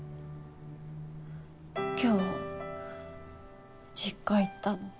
今日実家行ったの。